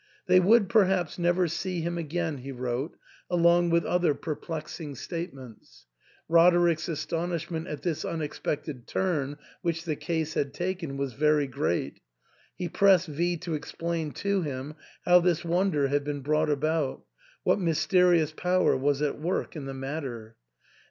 They would perhaps never see him again, he wrote, along with other perplexing statements. Roderick's astonishment at this unexpected turn which the case had taken was very great ; he pressed V to explain to him how this wonder had been brought about, what mysterious power was at work in the matter.